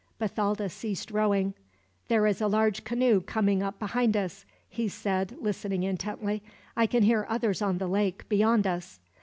Bathalda ceased rowing. "There is a large canoe coming up behind us," he said, listening intently. "I can hear others on the lake, beyond us."